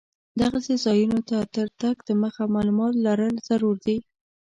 دغسې ځایونو ته تر تګ دمخه معلومات لرل ضرور دي.